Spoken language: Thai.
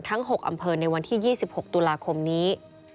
ทั้ง๖อำเภอในวันที่๒๖ตุลาคมนี้